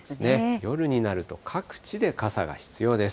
夜になると各地で傘が必要です。